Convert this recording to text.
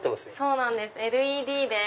そうなんですＬＥＤで。